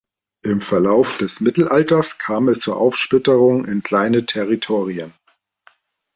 Im Verlauf des Mittelalters kam es zur Aufsplitterung in kleinere Territorien.